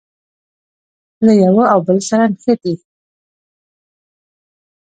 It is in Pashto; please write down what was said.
له یوه او بل سره نښتي.